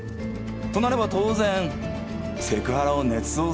となれば当然セクハラを捏造する意味もな。